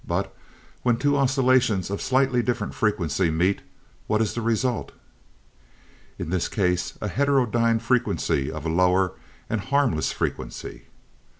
But when two oscillations of slightly different frequency meet, what is the result?" "In this case, a heterodyne frequency of a lower, and harmless frequency."